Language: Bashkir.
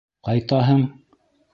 Ҡайтаһың?